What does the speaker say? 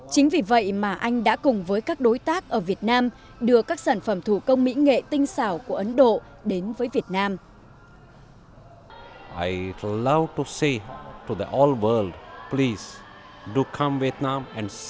chính vì vậy mà anh đã cùng với các đối tác ở việt nam đưa các sản phẩm thủ công mỹ nghệ tinh xảo của ấn độ đến với việt nam